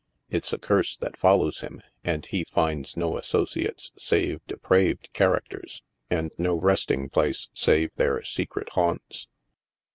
It's a curse that follows him, and he finds no associates save de praved characters, and no resting place save their secret haunts.